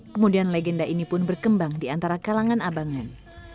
kemudian legenda ini pun berkembang di antara kalangan abangan